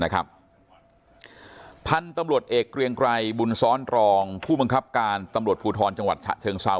พันธุ์ตำรวจเอกเกรียงไกรบุญซ้อนรองผู้บังคับการตำรวจภูทรจังหวัดฉะเชิงเซา